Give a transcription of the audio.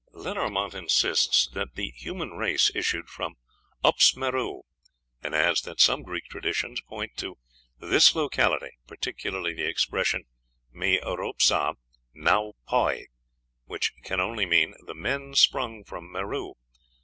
Lenormant insists that the human race issued from Ups Merou, and adds that some Greek traditions point to "this locality particularly the expression me'ropes a?'nðwpoi, which can only mean 'the men sprung from Merou.'"